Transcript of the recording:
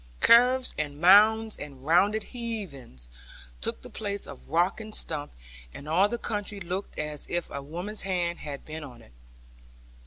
Curves, and mounds, and rounded heavings, took the place of rock and stump; and all the country looked as if a woman's hand had been on it.